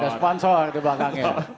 ada sponsor di belakangnya